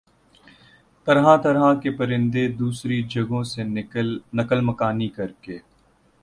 طرح طرح کے پرندے دوسری جگہوں سے نقل مکانی کرکے